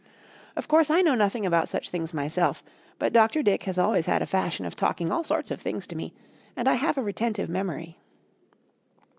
Of course I know nothing about such things myself, but Dr. Dick has always had a fashion of talking all sorts of things to me, and I have a retentive memory.